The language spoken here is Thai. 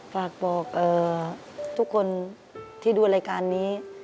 ฝากบอกทุกคนที่ดูรายการนี้